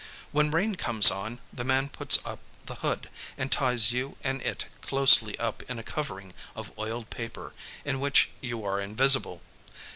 When rain comes on, the man puts up the hood, and ties you and it closely up in a covering of oiled paper, in which you are invisible.